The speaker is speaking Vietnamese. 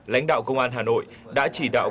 lãnh đạo công an hà nội đã chỉ đạo